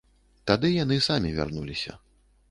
Тады яны самі вярнуліся.